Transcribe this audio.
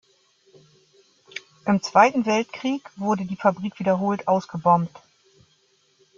Im Zweiten Weltkrieg wurde die Fabrik wiederholt ausgebombt.